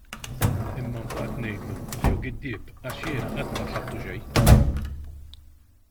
Imma mbagħad ngħidlu li hu l-giddieb għax jiena qatt ma tlabtu xejn.